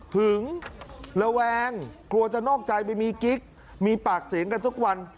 ระแวงกลัวจะนอกใจไปมีกิ๊กมีปากเสียงกันทุกวัน